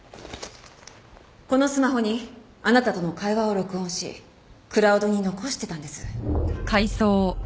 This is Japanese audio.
このスマホにあなたとの会話を録音しクラウドに残してたんです。